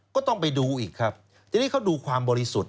ก็ต้องไปดูอีกครับทีนี้เขาดูความบริสุทธิ์